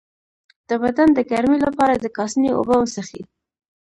د بدن د ګرمۍ لپاره د کاسني اوبه وڅښئ